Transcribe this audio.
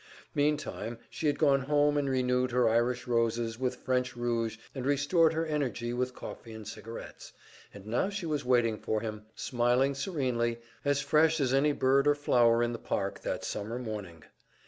Meantime she had gone home and renewed her Irish roses with French rouge, and restored her energy with coffee and cigarettes, and now she was waiting for him, smiling serenely, as fresh as any bird or flower in the park that summer morning.